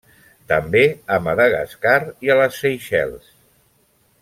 També a Madagascar i a les Seychelles.